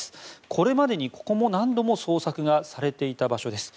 これまでにここも、何度も捜索がされていた場所です。